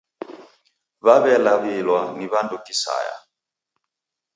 W'aw'elaw'ilwa ni w'andu kisaya